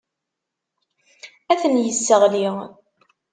Ad ten-yesseɣli.